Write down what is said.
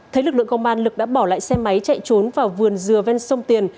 thấy lực lượng công an lực đã bỏ lại xe máy chạy trốn vào vườn dừa ven sông tiền